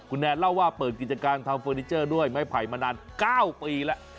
คุณแนนเล่าว่าเปิดกิจการทำเฟอร์นิเจอร์ด้วยไม้ไผ่มานาน๙ปีแล้ว